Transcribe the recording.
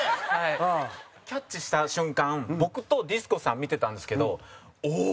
キャッチした瞬間、僕とディスコさん、見てたんですけどおおー！